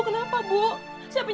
ya allah ibu